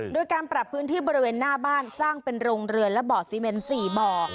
โดยการปรับพื้นที่บริเวณหน้าบ้านสร้างเป็นโรงเรือนและบ่อซีเมน๔บ่อ